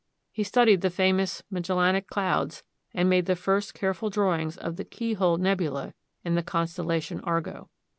He studied the famous Magellanic clouds, and made the first careful drawings of the "keyhole" nebula in the constellation Argo.